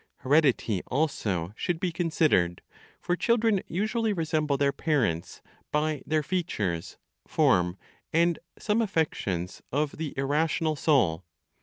Heredity also should be considered; for children usually resemble their parents by their features, form, and some affections of the irrational soul.